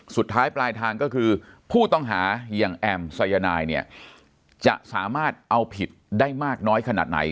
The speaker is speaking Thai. สุดท้ายปลายทางก็คือผู้ต้องหาอย่างแอมสายนายเนี่ยจะสามารถเอาผิดได้มากน้อยขนาดไหน